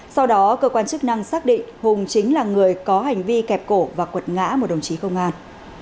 sau đó cơ quan chức năng xác định hùng chính là người có hành vi kẹp cổ và quật ngã một đồng chí công an